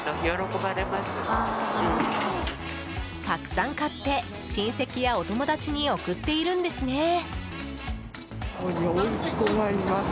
たくさん買って、親戚やお友達に送っているんですね。